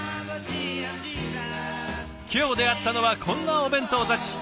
今日出会ったのはこんなお弁当たち。